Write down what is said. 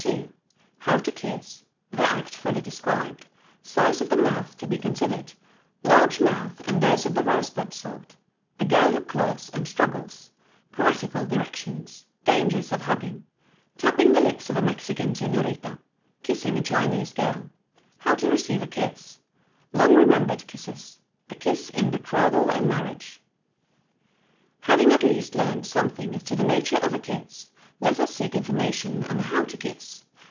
II. HOW TO KISS—THE ACT FULLY DESCRIBED—SIZE OF THE MOUTH TO BE CONSIDERED—LARGE MOUTHS AND THOSE OF THE ROSE BUD SORT— THE GIRL WHO CLAWS AND STRUGGLES—POETICAL DIRECTIONS— DANGERS OF HUGGING—TAPPING THE LIPS OF A MEXICAN SENORITA—KISSING A CHINESE GIRL—HOW TO RECEIVE A KISS— LONG REMEMBERED KISSES—THE KISS IN BETROTHAL AND MARRIAGE. Having at least learned something as to the nature of a kiss, let us seek information on how to kiss.